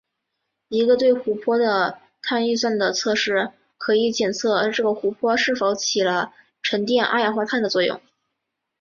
一个对湖泊的碳预算的测试可以检测这个湖泊是否起到了沉淀二氧化碳的作用。